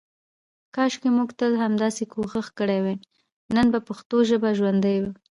کاشکې مونږ تل همداسې کوشش کړی وای نن به پښتو ژابه ژوندی وی.